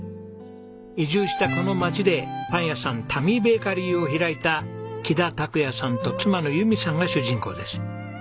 移住したこの町でパン屋さんタミーベーカリーを開いた木田拓也さんと妻の友美さんが主人公です。